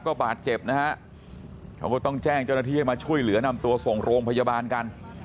ก็บาดเจ็บนะฮะเขาก็ต้องแจ้งเจ้าหน้าที่ให้มาช่วยเหลือนำตัวส่งโรงพยาบาลกัน